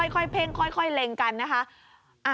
ค่อยเพ่งค่อยเล็งกันนะคะ